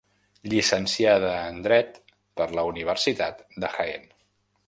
Llicenciada en Dret per la Universitat de Jaén.